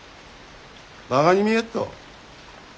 バガに見えっと。